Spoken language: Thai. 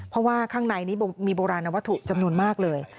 เพราะว่ามีโบราณวัตถุจำนวนมากเลย